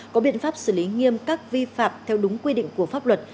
có biện pháp xử lý nghiêm các vi phạm theo đúng quy định của pháp luật